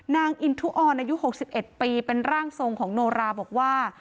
นางอินทุออนอายุ๖๑ปีเป็นร่างทรงของโนราบอกว่า